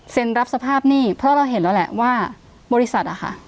รับสภาพหนี้เพราะเราเห็นแล้วแหละว่าบริษัทอะค่ะ